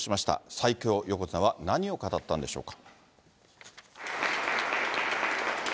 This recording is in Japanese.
最強横綱は何を語ったんでしょうか。